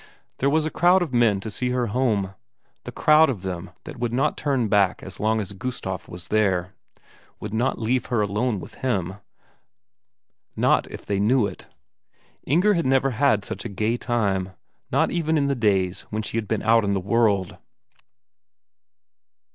There was a crowd of men to see her home, the crowd of them that would not turn back as long as Gustaf was there; would not leave her alone with him, not if they knew it! Inger had never had such a gay time, not even in the days when she had been out in the world.